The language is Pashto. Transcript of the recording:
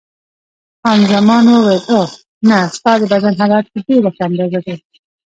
خان زمان وویل: اوه، نه، ستا د بدن حرارت په ډېره ښه اندازه دی.